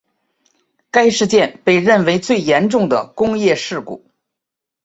该事件被认为最严重的工业事故。